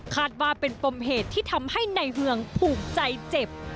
คาดว่าเป็นปมเหตุที่ทำให้ในเมืองผูกใจเจ็บ